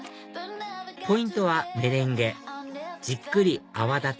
ポイントはメレンゲじっくり泡立て